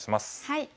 はい。